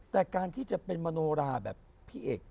แต่การที่จะเป็นมโนราแบบพี่เอก